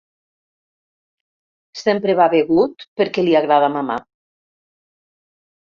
Sempre va begut perquè li agrada mamar.